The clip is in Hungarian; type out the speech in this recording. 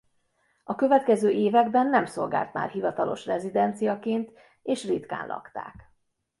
A következő években nem szolgált már hivatalos rezidenciaként és ritkán lakták.